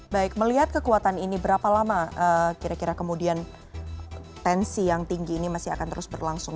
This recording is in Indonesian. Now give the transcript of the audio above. baik melihat kekuatan ini berapa lama kira kira kemudian tensi yang tinggi ini masih akan terus berlangsung